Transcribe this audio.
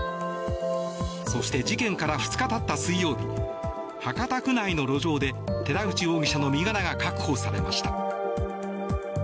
そして事件から２日たった水曜日博多区内の路上で寺内容疑者の身柄が確保されました。